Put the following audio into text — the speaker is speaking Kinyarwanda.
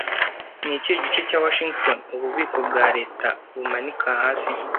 Ni kihe gice cya Washington Ububiko bwa Leta bumanika Hasi